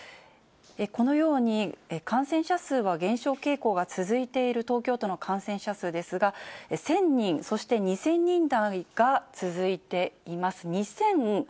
このように、感染者数は減少傾向が続いている東京都の感染者数ですが、１０００人、そして２０００人台が続いています。